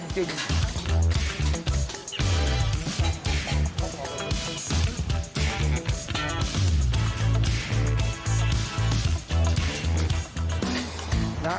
ขั้นตอนที่๙คือตัวยึดทั้งหมดเลย